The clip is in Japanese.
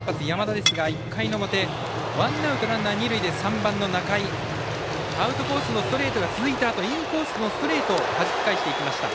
初回、下関国際の攻撃近江先発、山田ですが１回の表ワンアウトランナー、二塁で３番の仲井アウトコースのストレートが続いたあとインコースのストレートをはじき返していきました。